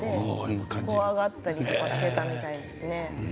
怖がったりとかしていたみたいですね。